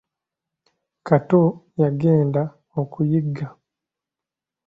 Kato yagenda okuyigga.